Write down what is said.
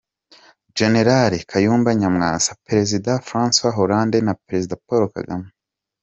Gen. Kayumba Nyamwasa, Perezida Francois Hollande na Perezida Paul Kagame